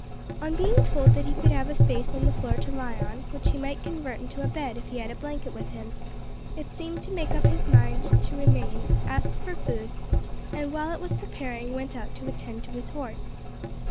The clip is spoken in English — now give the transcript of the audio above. On being told that he could have a space on the floor to lie on, which he might convert into a bed if he had a blanket with him, he seemed to make up his mind to remain, asked for food, and while it was preparing went out to attend to his horse.